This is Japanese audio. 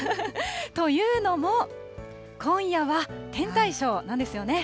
というのも、今夜は天体ショーなんですよね。